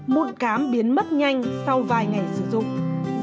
mụn cám biến mất nhanh sau vài ngày sử dụng